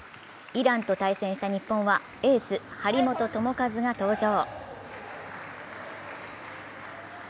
イランと対戦した日本は、エース・張本智和が登場。